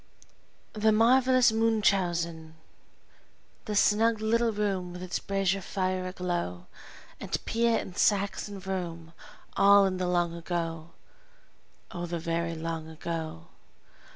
The Marvelous Munchausen The snug little room with its brazier fire aglow, And Piet and Sachs and Vroom all in the long ago, Oh, the very long ago!